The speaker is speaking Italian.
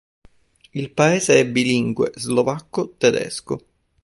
Il paese è bilingue slovacco-tedesco.